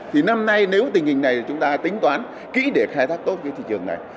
thì năm nay nếu tình hình này chúng ta tính toán kỹ để khai thác tốt cái thị trường này